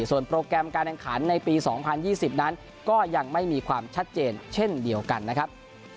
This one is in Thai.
ส่วนโปรแกรมการแข่งขันในปี๒๐๒๐นั้นก็ยังไม่มีความชัดเจนเช่นเดียวกันนะครับ